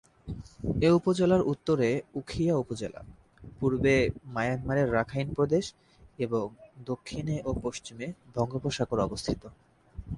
এ উপজেলার উত্তরে উখিয়া উপজেলা, পূর্বে মায়ানমারের রাখাইন প্রদেশ এবং দক্ষিণে ও পশ্চিমে বঙ্গোপসাগর অবস্থিত।